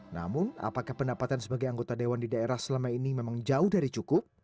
namun apakah pendapatan sebagai anggota dewan di daerah selama ini memang jauh dari cukup